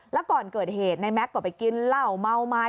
แล้วก่อนเกิดเหตุในแก๊กก็ไปกินเหล้าเมาไม้